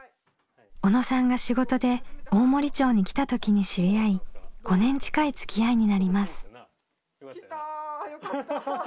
小野さんが仕事で大森町に来た時に知り合い５年近いつきあいになります。